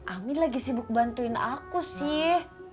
amin lagi sibuk bantuin aku sih